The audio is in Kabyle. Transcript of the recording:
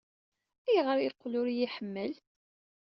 Ayɣer ay yeqqel ur iyi-iḥemmel?